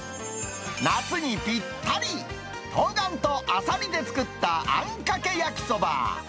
夏にぴったり、トウガンとアサリで作ったあんかけ焼きそば。